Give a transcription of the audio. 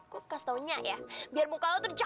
gue kasih taunya ya biar muka lo terjebak